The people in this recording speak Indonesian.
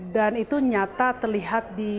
dan itu nyata terlihat di